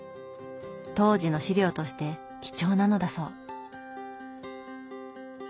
当時の資料として貴重なのだそう。